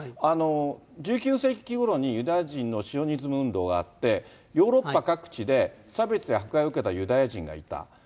１９世紀ごろにユダヤ人のシオニズム運動があって、ヨーロッパ各地で、差別や迫害を受けたユダヤ人がいた。